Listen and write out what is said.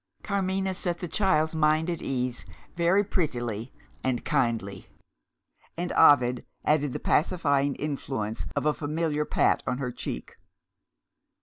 Carmina set the child's mind at ease very prettily and kindly; and Ovid added the pacifying influence of a familiar pat on her cheek.